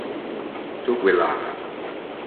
ทุกเวลา